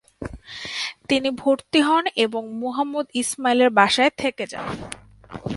তিনি ভর্তি হন এবং মুহাম্মদ ইসমাইলের বাসায় থেকে যান।